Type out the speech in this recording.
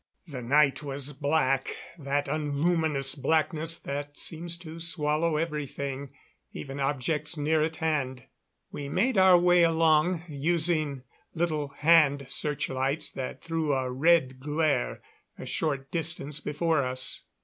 The night was black that unluminous blackness that seems to swallow everything, even objects near at hand. We made our way along, using little hand searchlights that threw a red glare a short distance before us.